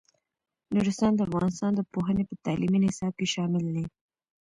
نورستان د افغانستان د پوهنې په تعلیمي نصاب کې شامل دی.